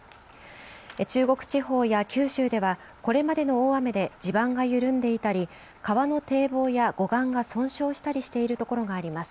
中国地方や九州ではこれまでの大雨で地盤が緩んでいたり川の堤防や護岸が損傷したりしているところがあります。